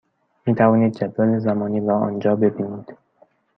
می توانید جدول زمانی را آنجا ببینید.